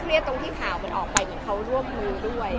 เครียดตรงที่ขาวมันออกไปเหมือนเค้าร่วมมือด้วย